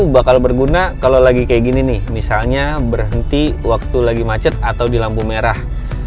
bakal berguna kalau lagi kayak gini nih misalnya berhenti waktu lagi macet atau di lampu merah